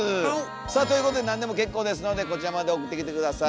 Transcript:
さあということでなんでも結構ですのでこちらまで送ってきて下さい。